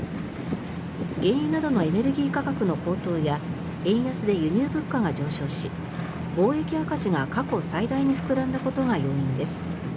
原油などのエネルギー価格の高騰や円安で輸入物価が上昇し貿易赤字が過去最大に膨らんだことが要因です。